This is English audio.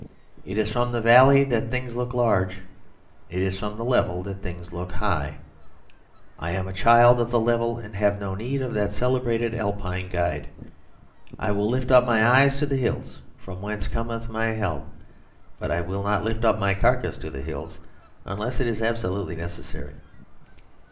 It is from the valley that things look large; it is from the level that things look high; I am a child of the level and have no need of that celebrated Alpine guide. I will lift up my eyes to the hills, from whence cometh my help; but I will not lift up my carcass to the hills, unless it is absolutely necessary.